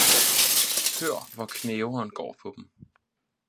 Hør, hvor kneveren går på dem!